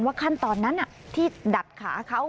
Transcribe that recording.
ขั้นตอนนั้นที่ดัดขาเขา